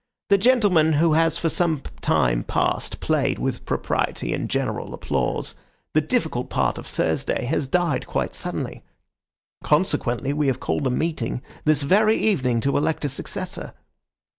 The gentleman who has for some time past played, with propriety and general applause, the difficult part of Thursday, has died quite suddenly. Consequently, we have called a meeting this very evening to elect a successor."